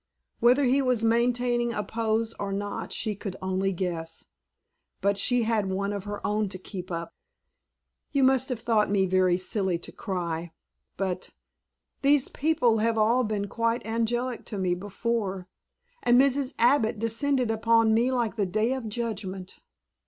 Whether he was maintaining a pose or not she could only guess, but she had one of her own to keep up. "You must have thought me very silly to cry but these people have all been quite angelic to me before, and Mrs. Abbott descended upon me like the Day of Judgment."